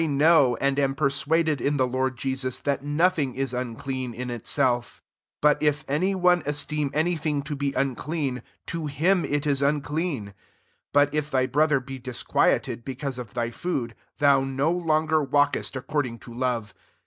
14 1 know, and am persuaded in the LoH Jesus, ^at nothing U uncletl in its^f : but if any one esteei any thing to be unclean, to hii it $$ unclean. 15 But if tb) brother be disquieted becaos! of tky food, thou ^ no loagei walkest according to love.